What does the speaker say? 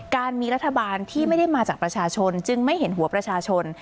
การมีรัฐบาลที่ไม่ได้มาจากประชาชนจึงไม่เห็นหัวประชาชน